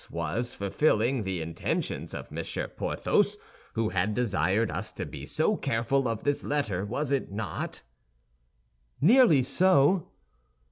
This was fulfilling the intentions of Monsieur Porthos, who had desired us to be so careful of this letter, was it not?" "Nearly so."